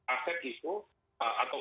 aset itu atau